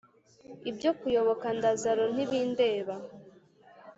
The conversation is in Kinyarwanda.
ibyo kuyoboka ndazaro ntibindeba